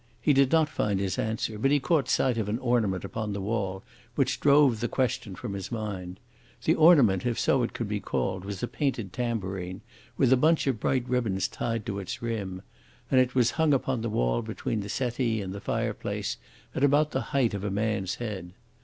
He did not find his answer, but he caught sight of an ornament upon the wall which drove the question from his mind. The ornament, if so it could be called, was a painted tambourine with a bunch of bright ribbons tied to the rim; and it was hung upon the wall between the settee and the fireplace at about the height of a man's head.